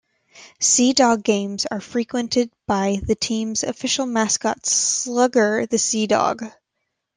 Sea Dogs games are frequented by the team's official mascot Slugger the Sea Dog.